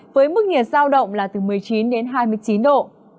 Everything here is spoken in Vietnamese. với mức nhiệt giao động là từ một mươi chín đến hai mươi chín độ